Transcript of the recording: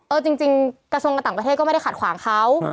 จริงกระทรวงการต่างประเทศก็ไม่ได้ขัดขวางเขา